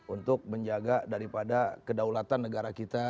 untuk menjaga daripada kedaulatan negara kita